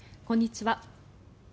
こんにちは。